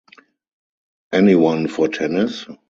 Anyone for tennis?